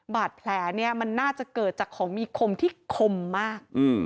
บาดแผลเนี่ยมันน่าจะเกิดจากของมีคมที่คมมาก